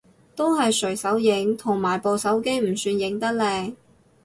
都係隨手影，同埋部手機唔算影得靚